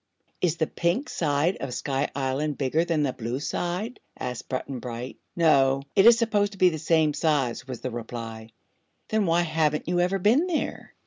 "Is the Pink side of Sky Island bigger than the Blue side?" asked Button Bright. "No; it is supposed to be the same size," was the reply. "Then why haven't you ever been there?